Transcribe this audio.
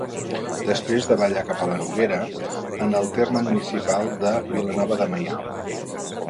Després davalla cap a la Noguera, en el terme municipal de Vilanova de Meià.